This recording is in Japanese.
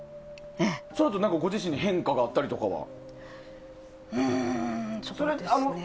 そのあとご自身に変化があったりとかは？